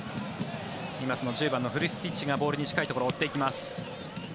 今、１０番のフルスティッチがボールに近いところを追っていきます。